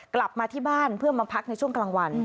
กลับมาที่บ้านเพื่อมาพักในช่วงกลางวัน